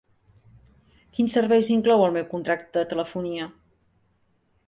Quins serveis inclou el meu contracte de telefonia?